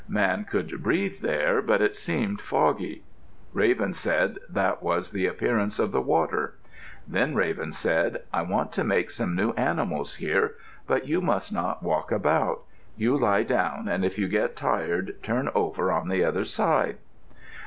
Man could breathe there, but it seemed foggy. Raven said that was the appearance of the water. Then Raven said, "I want to make some new animals here; but you must not walk about. You lie down and if you get tired, turn over on the other side."